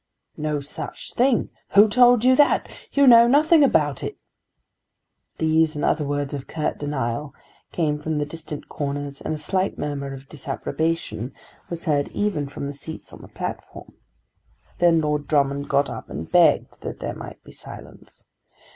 "No such thing." "Who told you that?" "You know nothing about it." These and other words of curt denial came from the distant corners, and a slight murmur of disapprobation was heard even from the seats on the platform. Then Lord Drummond got up and begged that there might be silence.